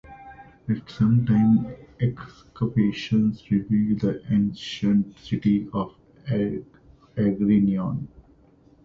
At the same time excavations revealed the ancient city of Agrinion.